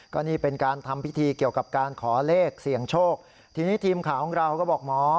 ก็นี่เป็นการทำพิธีเกี่ยวกับการขอเลขเสี่ยงโชคทีนี้ทีมข่าวของเราก็บอกหมอ